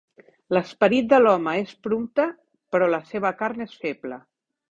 L'esperit de l'home és prompte, però la seva carn és feble